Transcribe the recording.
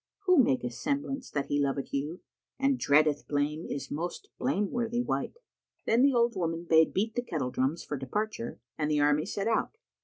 Who maketh semblance that he loveth you * And dreadeth blame is most blame worthy wight." Then the old woman bade beat the kettle drums for departure and the army set out.